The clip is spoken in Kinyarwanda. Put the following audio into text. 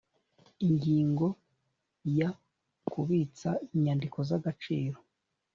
ingingo ya kubitsa inyandiko z agaciro